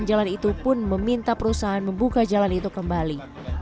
penjualan itu pun meminta perusahaan membuka jalan itu kembali